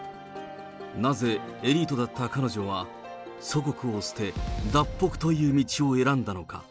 なぜ、エリートだった彼女は祖国を捨て、脱北という道を選んだのか。